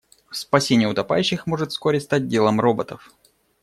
Спасение утопающих может вскоре стать делом роботов.